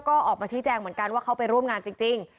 ก็ออกมาชี้แจงเหมือนกันว่าเขาไปร่วมงานจริง